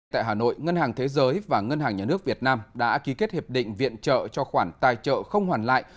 tại hà nội ngân hàng thế giới và ngân hàng nhà nước việt nam đã ký kết hiệp định viện trợ cho khoản tài trợ không hoàn lại